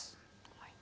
はい。